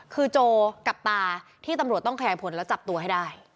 คือโจกับตาที่ตำรวจต้องขยายผลแล้วจับตัวให้ได้